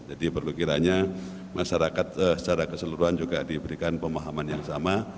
jadi perlu kiranya masyarakat secara keseluruhan juga diberikan pemahaman yang sama